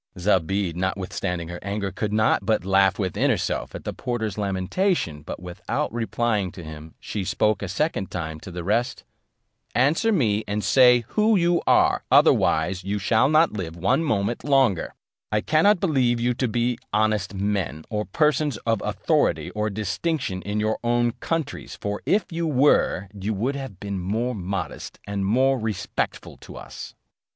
Zobeide, notwithstanding her anger, could not but laugh within herself at the porter's lamentation: but without replying to him, she spoke a second time to the rest; "Answer me, and say who you are, otherwise you shall not live one moment longer: I cannot believe you to be honest men, or persons of authority or distinction in your own countries; for if you were, you would have been more modest and more respectful to us."